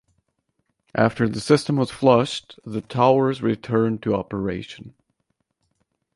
After the system was flushed the towers returned to operation.